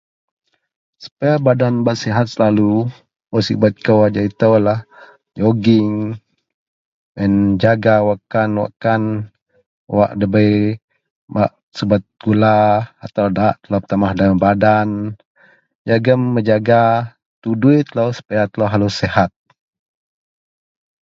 Supaya badan bak sehat selalu wak sibet kou ajau ito lah joging menjaga wakkan-wakkan wak dabei bak subet gula atau daat bertambah dagen badan jegum menjaga tudoi supaya telo selalu sehat.